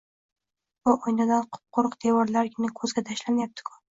Bu oynadan qup-quruq devorlargina koʻzga tashlanyapti-ku